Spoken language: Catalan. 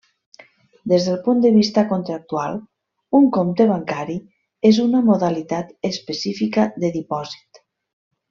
Des del punt de vista contractual, un compte bancari és una modalitat específica de dipòsit.